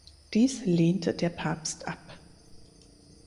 Dies lehnte der Papst ab.